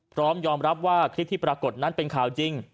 พร้อมยอมรับว่าคลิปที่ปรากฏนั้นเป็นข่าวจริง